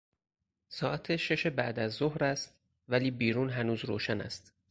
ساعت شش بعداز ظهر است ولی بیرون هنوز روشن است.